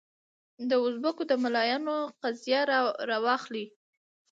دوزبکو د ملایانو قضیه راواخلې.